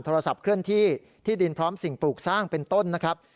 โทรศัพท์เคลื่อนที่ที่ดินพร้อมสิ่งปลูกสร้างเป็นต้นนะครับ